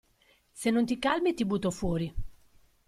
Se non ti calmi ti butto fuori!